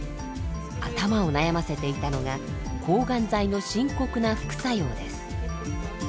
頭を悩ませていたのが抗がん剤の深刻な副作用です。